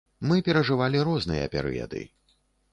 Мы перажывалі розныя перыяды.